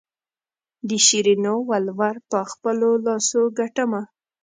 د شیرینو ولور په خپلو لاسو ګټمه.